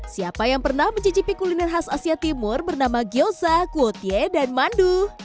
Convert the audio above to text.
siapa yang pernah mencicipi kuliner khas asia timur bernama gyoza kuotie dan mandu